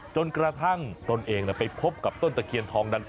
จนกระทั่งตนเองไปพบกับต้นตะเคียนทองนั้น